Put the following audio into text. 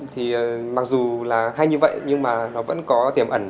thì mặc dù là hay như vậy nhưng mà nó vẫn có tiềm ẩn